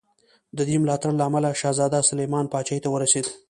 د دې ملاتړ له امله شهزاده سلیمان پاچاهي ته ورسېد.